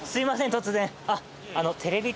突然。